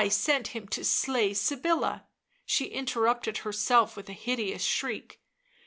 1 sent him to slay Sybilla. ..." She interrupted herself with a hideous shriek.